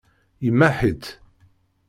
Yemmaḥ-itt.